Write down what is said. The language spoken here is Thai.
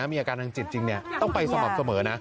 มีอาการทางจิตจริงต้องไปสม่ำเสมอนะ